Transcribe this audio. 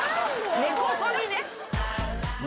根こそぎで？